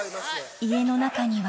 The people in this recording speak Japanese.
家の中には。